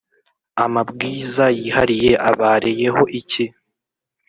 amabwiza y’ihariye abareyeho iki